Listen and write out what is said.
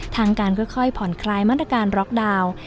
ทางการค่อยผ่อนคลายมาตรการล็อกดาวน์